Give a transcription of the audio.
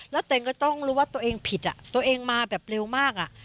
แล้วตัวเองก็ต้องรู้ว่าตัวเองผิดตัวเองมาแบบเร็วมาก